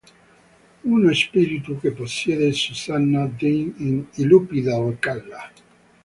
Uno spirito che possiede Susannah Dean in "I lupi del Calla".